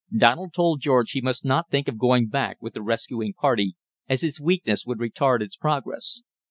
Donald told George he must not think of going back with the rescuing party, as his weakness would retard its progress.